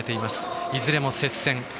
いずれも接戦。